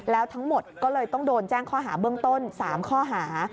แล้วทั้งหมดก็เลยต้องโดนแจ้งข้อหาเบื้องต้น๓ข้อหา